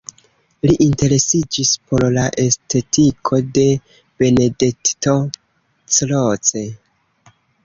Li interesiĝis por la estetiko de Benedetto Croce.